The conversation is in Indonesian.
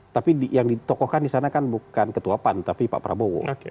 tapi yang ditokohkan di sana kan bukan ketua pan tapi pak prabowo